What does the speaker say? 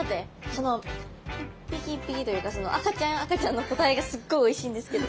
その一匹一匹というかその赤ちゃん赤ちゃんの個体がすっごいおいしいんですけど。